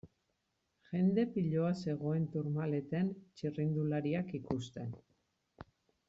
Jende piloa zegoen Tourmaleten txirrindulariak ikusten.